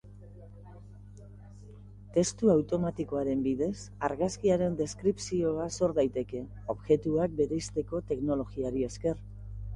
Testu automatikoaren bidez, argazkiaren deskripzioa sor daiteke, objektuak bereizteko teknologiari esker.